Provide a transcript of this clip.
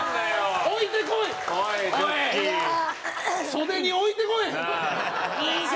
袖に置いてこい。